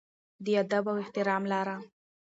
د ادب او احترام لاره.